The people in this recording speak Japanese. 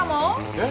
えっ？